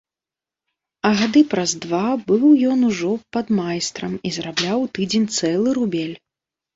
А гады праз два быў ён ужо падмайстрам і зарабляў у тыдзень цэлы рубель.